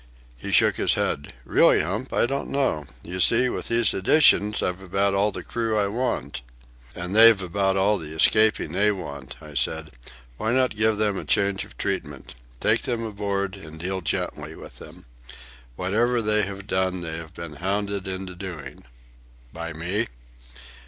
He shook his head. "Really, Hump, I don't know. You see, with these additions I've about all the crew I want." "And they've about all the escaping they want," I said. "Why not give them a change of treatment? Take them aboard, and deal gently with them. Whatever they have done they have been hounded into doing." "By me?"